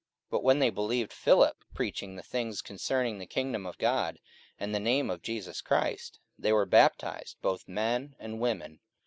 44:008:012 But when they believed Philip preaching the things concerning the kingdom of God, and the name of Jesus Christ, they were baptized, both men and women.